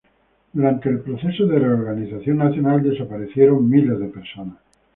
Durante el Proceso de Reorganización Nacional desaparecieron miles de personas.